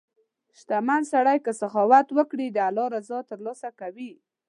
• شتمن سړی که سخاوت وکړي، د الله رضا ترلاسه کوي.